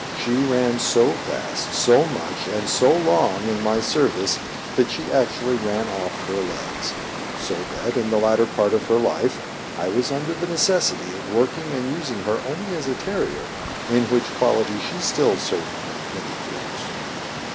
She ran so fast, so much, and so long in my service, that she actually ran off her legs; so that, in the latter part of her life, I was under the necessity of working and using her only as a terrier, in which quality she still served me many years.